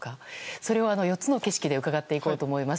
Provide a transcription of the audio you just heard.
それを４つの景色で伺っていこうと思います。